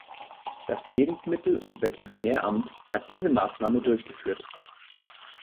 Das Lebensmittel- und Veterinäramt hat diese Maßnahmen durchgeführt.